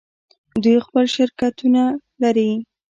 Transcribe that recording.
دوی خپل شرکتونه لري.